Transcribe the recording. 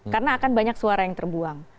karena akan banyak suara yang terbuang